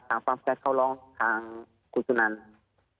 ทางปั๊มแก๊สเขาร้องทางคุณจนันทร์